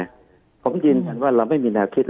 คุณหมอประเมินสถานการณ์บรรยากาศนอกสภาหน่อยได้ไหมคะ